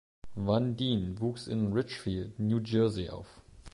Van Dien wuchs in Ridgefield, New Jersey, auf.